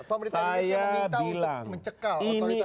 pemerintah indonesia meminta untuk mencekal otoritas